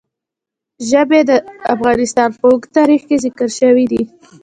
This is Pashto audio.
ژبې د افغانستان په اوږده تاریخ کې ذکر شوی دی.